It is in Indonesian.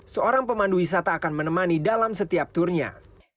seorang pemandu wisata akan menemani dalam setiap turnya